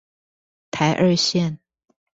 台二線